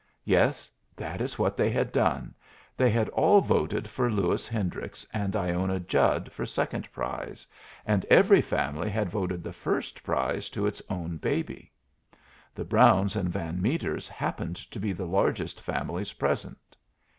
Yes, that is what they had done. They had all voted for Lewis Hendricks and Iona Judd for second prize, and every family had voted the first prize to its own baby. The Browns and van Meters happened to be the largest families present.